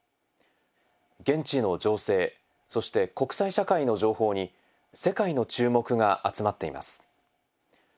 現地の情勢そして国際社会の情報に世界の注目が集まっています。